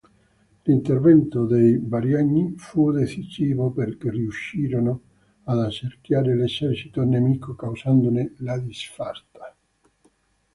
L'intervento dei Variaghi fu decisivo, perché riuscirono ad accerchiare l'esercito nemico, causandone la disfatta.